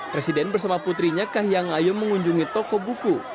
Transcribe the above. presiden bersama putrinya kahiyang ayu mengunjungi toko buku